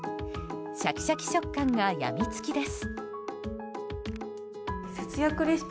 シャキシャキ食感が病みつきです。